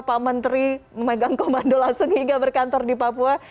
pak menteri memegang komando langsung hingga berkantor di papua